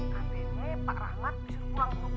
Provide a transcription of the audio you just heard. kamennya pak rahmat disuruh pulang